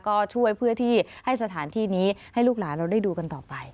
ก็ช่วยเพื่อที่ให้สถานที่นี้ให้ลูกหลานเราได้ดูกันต่อไป